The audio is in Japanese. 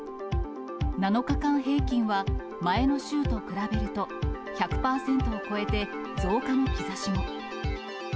７日間平均は、前の週と比べると１００％を超えて増加の兆しも。